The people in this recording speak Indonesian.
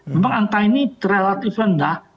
memang angka ini relatif rendah